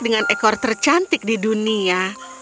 dengan ekor tercantik di dunia